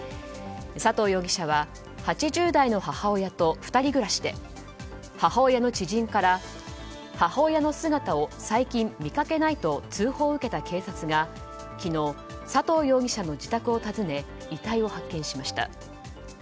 佐藤容疑者は８０代の母親と２人暮らしで母親の知人から、母親の姿を最近見かけないと通報を受けた警察が昨日、佐藤容疑者の自宅を訪ね遺体を発見しました。